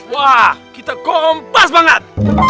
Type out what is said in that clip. wah kita kompas banget